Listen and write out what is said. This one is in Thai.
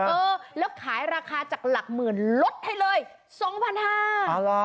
อะฮะเออแล้วขายราคาจากหลักหมื่นลดให้เลยสองพันห้าอ่าล่ะ